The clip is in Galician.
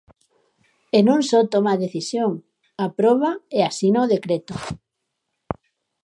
E non só toma a decisión; aproba e asina o decreto.